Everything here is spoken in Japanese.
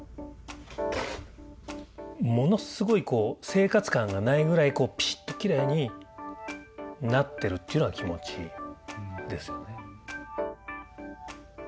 ものすごい生活感がないぐらいこうピシッときれいになってるっていうのは気持ちいいですよね。